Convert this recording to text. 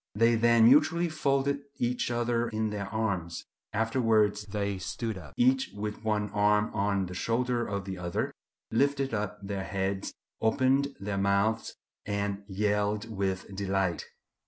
They then mutually folded each other in their arms. Afterwards they stood up, each with one arm on the shoulder of the other, lifted up their heads, opened their mouths, and yelled with delight.